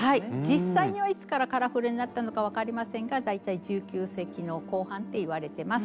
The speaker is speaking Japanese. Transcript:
実際にはいつからカラフルになったのか分かりませんが大体１９世紀の後半っていわれてます。